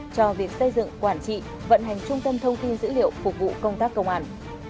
cho việc xây dựng quản trị vận hành trung tâm thông tin dữ liệu phục vụ công tác công an